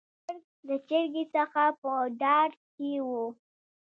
چرګ د چرګې څخه په ډار کې و.